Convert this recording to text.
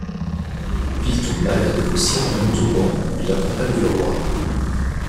Il tombe malade au siège de Montauban où il accompagne le roi.